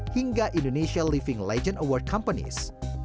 hingga indonesia living legend award companies